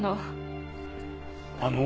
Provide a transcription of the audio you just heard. あの。